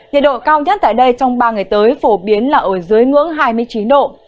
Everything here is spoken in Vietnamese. nhiệt độ cao nhất tại đây trong ba ngày tới phổ biến là ở dưới ngưỡng hai mươi chín độ